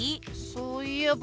そういえば。